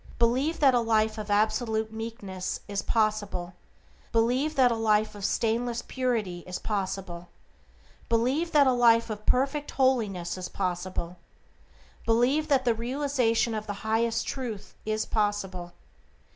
Believe that a life of absolute meekness is possible; believe that a life of stainless purity is possible; believe that a life of perfect holiness is possible; believe that the realization of the highest truth is possible.